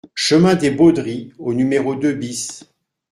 Chemin des Beaudries au numéro deux BIS